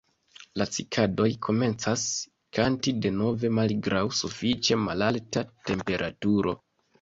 La Cikadoj komencas kanti denove malgraŭ sufiĉe malalta temperaturo.